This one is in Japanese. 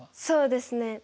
そうですね。